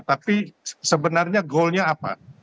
tapi sebenarnya goalnya apa